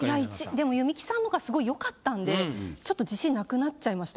でも弓木さんのがすごいよかったんでちょっと自信なくなっちゃいました。